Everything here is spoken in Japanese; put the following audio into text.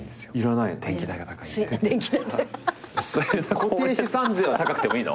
固定資産税は高くてもいいの？